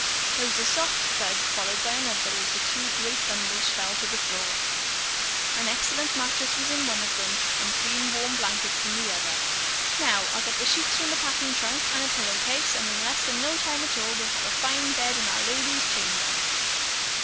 There was a soft thud, followed by another as the two great bundles fell to the floor. An excellent mattress was in one of them and clean warm blankets in the other. "Now, I'll get the sheets from the packing trunk and a pillow case, and in less than no time at all we'll have a fine bed in our lady's chamber."